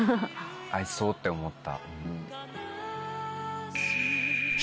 愛そうって思った。